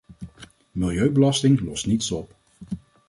Milieubelasting lost niets op.